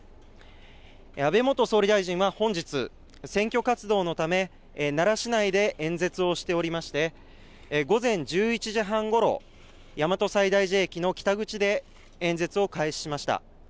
安倍元総理大臣は本日、選挙活動のため、奈良市内で演説をしておりまして、午前１１時半ごろ、大和西大寺駅の北口で演説を開始しました。